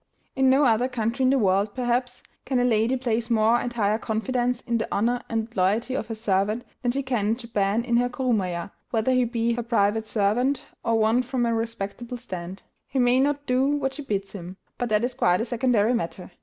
In no other country in the world, perhaps, can a lady place more entire confidence in the honor and loyalty of her servant than she can in Japan in her kurumaya, whether he be her private servant, or one from a respectable stand. He may not do what she bids him, but that is quite a secondary matter.